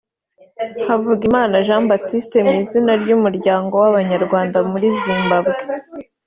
Havugimana Jean Baptiste mu izina ry’umuryango w’Abanyarwanda muri Zimbabwe